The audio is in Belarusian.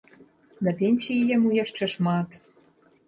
Да пенсіі яму яшчэ шмат.